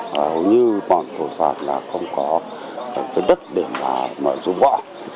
hầu như bọn thủ phạt là không có cái đất để mà mở rung võ